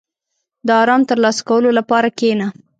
• د آرام ترلاسه کولو لپاره کښېنه.